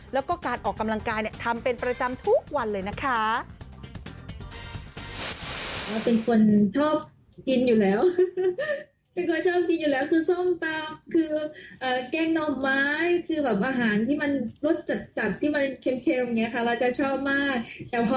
แล้วก็การออกกำลังกายทำเป็นประจำทุกวันเลยนะคะ